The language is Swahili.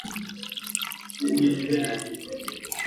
wa Kiyahudi walikuwa wanashika siku zote mbili Hakuna uhusiano wa